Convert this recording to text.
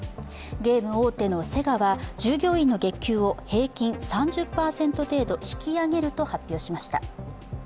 ゲーム大手のセガは従業員の月給を平均３０％程度引き上げると発表しました。